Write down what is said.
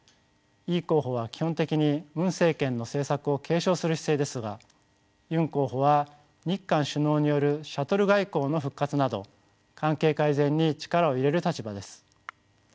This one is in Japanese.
イ候補は基本的にムン政権の政策を継承する姿勢ですがユン候補は日韓首脳によるシャトル外交の復活など関係改善に力を入れる立場です。